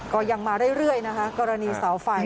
ก็ยังมาเรื่อยนะคะกรณีเสาไฟ